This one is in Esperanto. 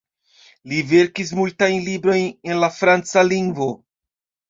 Li verkis multajn librojn en la franca lingvo.